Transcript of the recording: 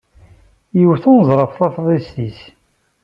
Iwet unezraf tafḍist-is.